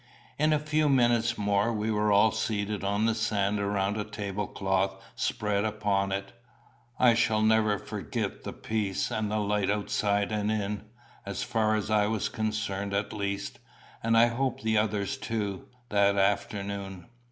In a few minutes more we were all seated on the sand around a table cloth spread upon it. I shall never forgot the peace and the light outside and in, as far as I was concerned at least, and I hope the others too, that afternoon.